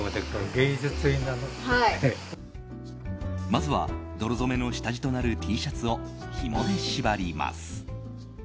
まずは泥染めの下地となるＴシャツをひもで縛ります。